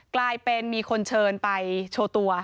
กลายเป็นมีคนเชิญไปโชว์ตัว